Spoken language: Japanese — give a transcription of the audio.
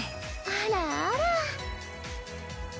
あらあら。